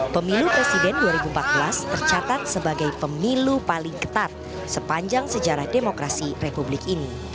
pemilu presiden dua ribu empat belas tercatat sebagai pemilu paling ketat sepanjang sejarah demokrasi republik ini